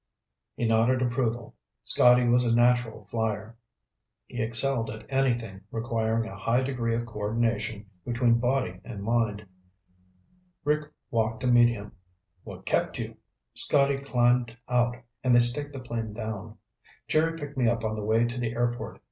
He nodded approval. Scotty was a natural flier. He excelled at anything requiring a high degree of co ordination between body and mind. Rick walked to meet him. "What kept you?" Scotty climbed out and they staked the plane down. "Jerry picked me up on the way to the airport.